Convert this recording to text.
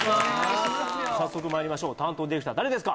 早速まいりましょう担当ディレクター誰ですか？